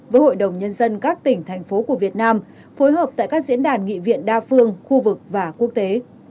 với hội đồng nhân dân các tỉnh thành phố của việt nam phối hợp tại các diễn đàn nghị viện đa phương khu vực và quốc tế